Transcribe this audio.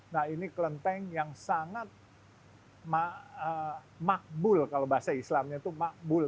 nah ini kelenteng yang sangat makbul kalau bahasa islamnya itu makbul